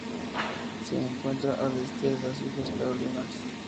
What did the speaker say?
Se encuentra al este de las Islas Carolinas.